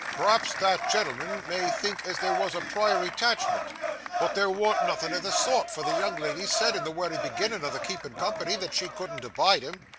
P'raps that gen'l'm'n may think as there wos a priory 'tachment; but there worn't nothin' o' the sort, for the young lady said in the wery beginnin' o' the keepin' company, that she couldn't abide him.